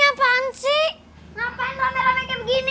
ngapain lo melemeknya begini